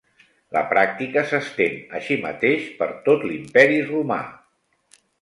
La pràctica s'estén així mateix per tot l'Imperi Romà.